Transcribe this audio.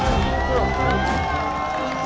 aduh boy aduh boy